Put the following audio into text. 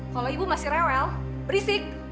kalau ibu masih rewel berisik